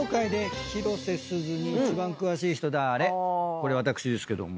これ私ですけども。